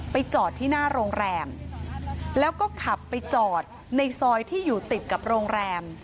จอดที่หน้าโรงแรมแล้วก็ขับไปจอดในซอยที่อยู่ติดกับโรงแรม